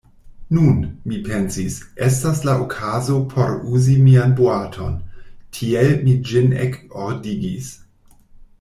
Nun, mi pensis, estas la okazo por uzi mian boaton; tiel mi ĝin ekordigis.